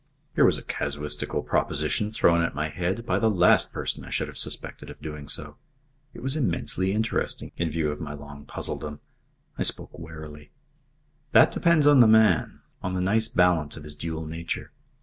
Here was a casuistical proposition thrown at my head by the last person I should have suspected of doing so. It was immensely interesting, in view of my long puzzledom. I spoke warily. "That depends on the man on the nice balance of his dual nature.